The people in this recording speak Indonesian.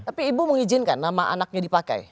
tapi ibu mengizinkan nama anaknya dipakai